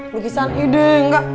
lukisan yudee enggak